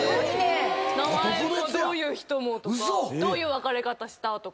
名前もどういう人かどういう別れ方したとか。